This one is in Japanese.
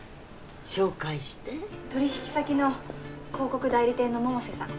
紹介して取引先の広告代理店の百瀬さん